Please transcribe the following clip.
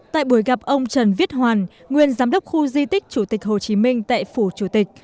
tại buổi gặp ông trần viết hoàn nguyên giám đốc khu di tích chủ tịch hồ chí minh tại phủ chủ tịch